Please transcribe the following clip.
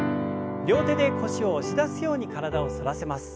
両手で腰を押し出すように体を反らせます。